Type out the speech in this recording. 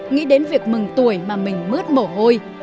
nghĩ đến việc mừng tuổi mà mình mướt mồ hôi